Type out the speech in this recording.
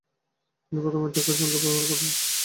তিনি প্রথম অমিত্রাক্ষর ছন্দ ব্যবহার করেন।